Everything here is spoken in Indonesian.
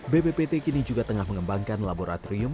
bppt kini juga tengah mengembangkan laboratorium